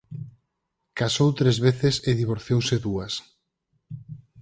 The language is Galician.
Casou tres veces e divorciouse dúas.